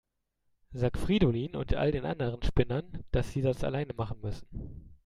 Sag Fridolin und all den anderen Spinnern, dass sie das alleine machen müssen.